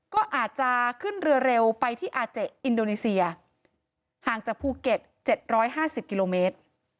ก็อาจจะขึ้นเรือเร็วไปที่อาเจอินโดนีเซียห่างจากภูเก็ต๗๕๐กิโลเมตร